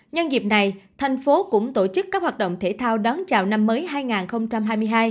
nhân dịp này thành phố cũng tổ chức các hoạt động thể thao đón chào năm mới hai nghìn hai mươi hai